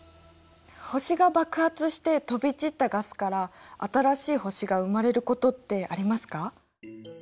星が爆発して飛び散ったガスから新しい星が生まれることってありますか？